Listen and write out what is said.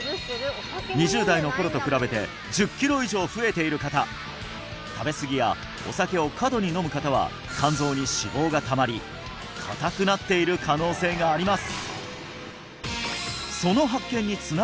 ２０代の頃と比べて１０ｋｇ以上増えている方食べすぎやお酒を過度に飲む方は肝臓に脂肪がたまり硬くなっている可能性があります